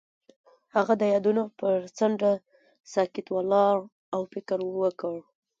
هغه د یادونه پر څنډه ساکت ولاړ او فکر وکړ.